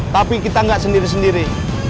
tapi kita nggak sendiri sendiri